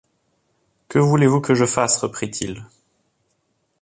Que voulez-vous que je fasse ? reprit-il.